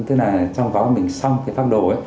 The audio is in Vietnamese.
tức là trong gói của mình xong cái phát đồ ấy